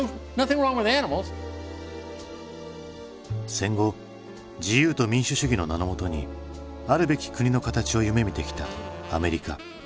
戦後自由と民主主義の名のもとにあるべき国の形を夢みてきたアメリカ。